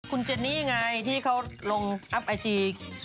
คุณเจนนี่ไงที่เขาลงอัพไอจี